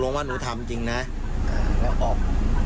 ว่าหนูทำจริงนะแล้วออก